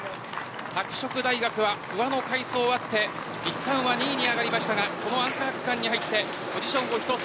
拓殖大学は不破の快走もあっていったんは２位に上がりましたがアンカー区間に入ってポジションを一つ